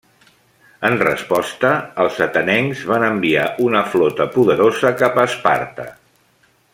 En resposta, els atenencs van enviar una flota poderosa cap a Esparta.